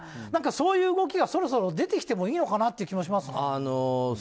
そういう動きがそろそろ出てきてもいいのかなという気もします。